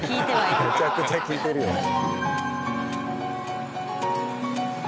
めちゃくちゃ聞いてるよね。